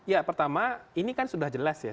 ya pertama ini kan sudah jelas ya